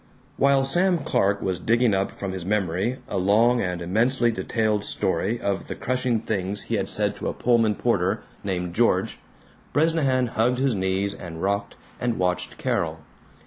While Sam Clark was digging up from his memory a long and immensely detailed story of the crushing things he had said to a Pullman porter, named George, Bresnahan hugged his knees and rocked and watched Carol.